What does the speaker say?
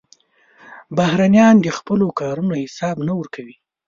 بهرنیان د خپلو کارونو حساب نه ورکوي.